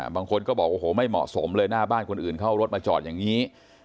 บางคนก็บอกโอ้โหไม่เหมาะสมเลยหน้าบ้านคนอื่นเข้ารถมาจอดอย่างนี้